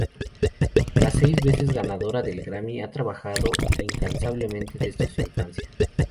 La seis veces ganadora del Grammy ha trabajado incansablemente desde su infancia.